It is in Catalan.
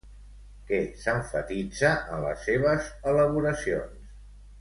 Què s'emfatitza en les seves elaboracions?